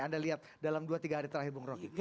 anda lihat dalam dua tiga hari terakhir bung rocky